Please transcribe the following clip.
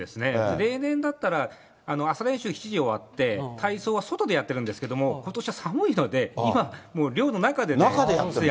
例年だったら朝練習、７時に終わって、体操は外でやってるんですけれども、ことしは寒いので、今、もう、寮の中でね。